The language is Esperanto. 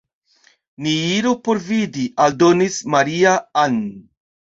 Ni iru por vidi», aldonis Maria-Ann.